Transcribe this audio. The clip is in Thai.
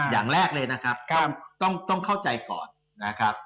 อย่างแรกเลยนะครับต้องเข้าใจก่อนนะครับ